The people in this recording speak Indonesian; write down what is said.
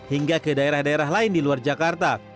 hingga ke daerah daerah lain di luar jakarta